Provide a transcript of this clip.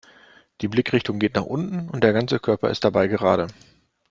Die Blickrichtung geht nach unten und der ganze Körper ist dabei gerade.